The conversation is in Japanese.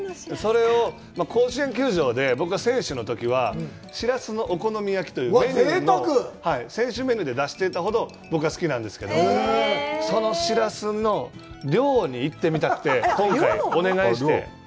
それを甲子園球場で僕が選手のときは「しらすのお好み焼き」という、選手メニューで出していたほど僕が好きなんですけども、そのしらすの漁に行ってみたくて、今回、お願いして。